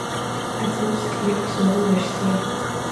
არსებობს კლიპის ორი ვერსია.